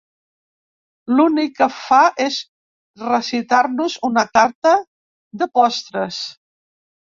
L'únic que fa és recitar-nos una carta de postres.